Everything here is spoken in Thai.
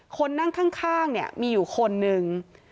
คนนั่งข้างมีอยู่คนหนึ่ง